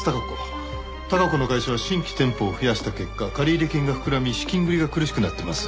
貴子の会社は新規店舗を増やした結果借入金が膨らみ資金繰りが苦しくなってます。